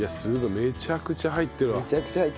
めちゃくちゃ入ってるよ。